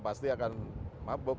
pasti akan mabuk